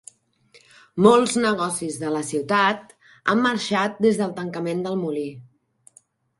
Molts negocis de la ciutat han marxat des del tancament del molí.